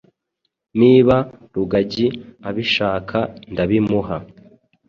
niba rugagi abishaka ndabimuha